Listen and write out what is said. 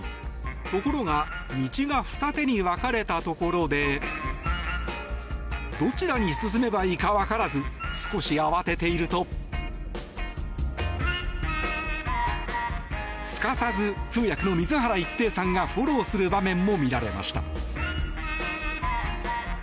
ところが道が二手に分かれたところでどちらに進めばいいか分からず少し慌てているとすかさず通訳の水原一平さんがフォローする場面も見られました。